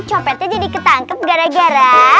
copetnya jadi ketangkep gara gara